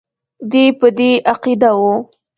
دی په دې عقیده وو.